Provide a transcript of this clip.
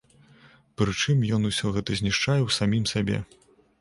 Прычым ён усё гэта знішчае і ў самім сабе.